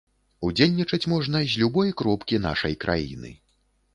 Удзельнічаць можна з любой кропкі нашай краіны.